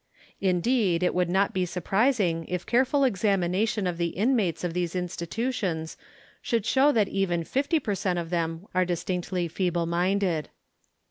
Indeed, it would not be surprising if careful examina tion of the inmates of these institutions should show that even 50 per cent of them are distinctly feeble minded.